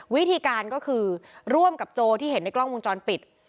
วิธีการก็คือร่วมกับโจที่เห็นในกล้องวงจรปิด